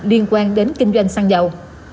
liên quan đến kinh doanh xăng dầu